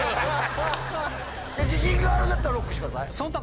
自信があるんだったらＬＯＣＫしてください。